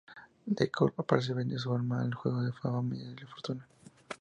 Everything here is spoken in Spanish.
The Cool parecer vendió su alma al juego de la fama y la fortuna.